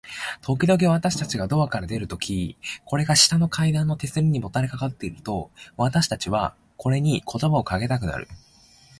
ときどき、私たちがドアから出るとき、これが下の階段の手すりにもたれかかっていると、私たちはこれに言葉をかけたくなる。